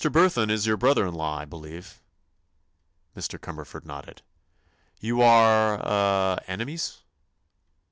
Burthon is your brother in law, I believe." Mr. Cumberford nodded. "You are—eh—enemies?"